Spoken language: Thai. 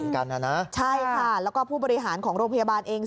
กันนะนะใช่ค่ะแล้วก็ผู้บริหารของโรงพยาบาลเอง